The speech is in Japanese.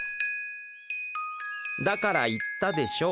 「だから言ったでしょ？